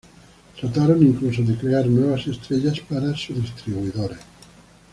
Trataron incluso de crear nuevas estrellas para sus distribuidores.